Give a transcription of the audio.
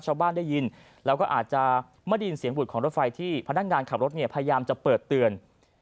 ชาวบ้านได้ยินแล้วก็อาจจะไม่ได้ยินเสียงบุตรของรถไฟที่พนักงานขับรถเนี่ยพยายามจะเปิดเตือน